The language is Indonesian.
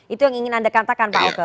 itu yang ingin anda katakan pak eko